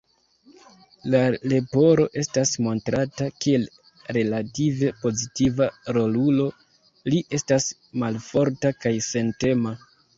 La Leporo estas montrata kiel relative pozitiva rolulo, li estas malforta kaj sentema.